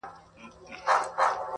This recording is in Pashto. هلته به پوه سې چي د میني اور دي وسوځوي،